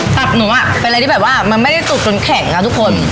ตับหนูเป็นอะไรที่แบบว่ามันไม่ได้ตุกจนแข็งค่ะทุกคน